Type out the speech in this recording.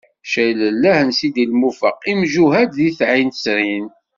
Caylellah s Sidi Lmufeq, imjuhad deg Tɛinsrin.